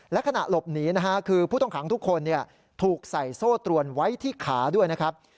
และขณะหลบหนีนะฮะคือผู้ต้องขังทุกคนถูกใส่โซ่ตรวนไว้ที่ขาด้วยนะครับ